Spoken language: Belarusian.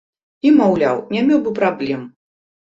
І, маўляў, не меў бы праблем.